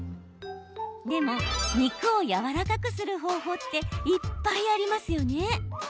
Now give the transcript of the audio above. でも肉をやわらかくする方法っていっぱいありますよね。